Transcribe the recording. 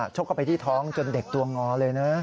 ชกเข้าไปที่ท้องจนเด็กตัวงอเลยนะ